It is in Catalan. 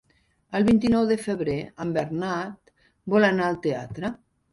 El vint-i-nou de febrer en Bernat vol anar al teatre.